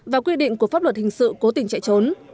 và quy định của pháp luật hình sự cố tình chạy trốn